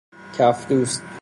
کف دوست